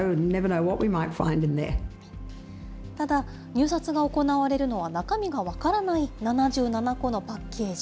ただ、入札が行われるのは、中身が分からない７７個のパッケージ。